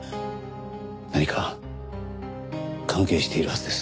何か関係しているはずです。